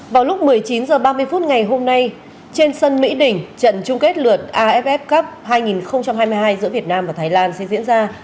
vào lúc một mươi chín h ba mươi phút ngày hôm nay trên sân mỹ đỉnh trận chung kết lượt aff cup hai nghìn hai mươi hai giữa việt nam và thái lan sẽ diễn ra